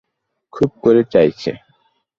খুব করে চাইছে।